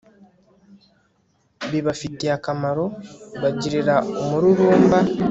bibafitiye akamaro bagirira umururumba